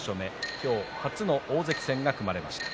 今日初の大関戦が組まれました。